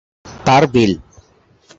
তার বিল।